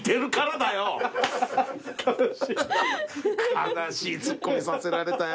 悲しいツッコミさせられたよ。